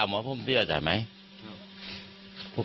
ท่ามันว่าพวกมันเที่ยวใจไหมครับ